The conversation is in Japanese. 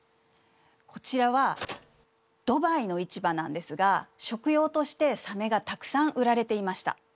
こちらはドバイの市場なんですが食用としてサメがたくさん売られていました。